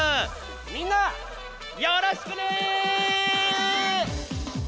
みんなよろしくね！